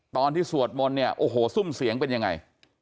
สวดมนต์เนี่ยโอ้โหซุ่มเสียงเป็นยังไง